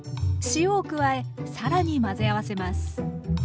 塩を加え更に混ぜ合わせます。